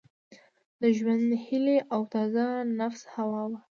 د ژوند هیلي او تازه نفس هوا وه